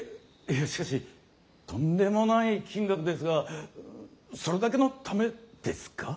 いやしかしとんでもない金額ですがそれだけのためですか？